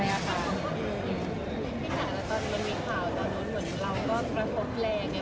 พี่ค่ะตอนมันมีข่าวตอนนั้นเหมือนเราก็กระทบแรงไง